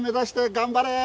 頑張れー！